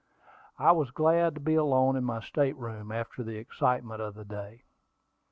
I was glad to be alone in my state room, after the excitement of the day.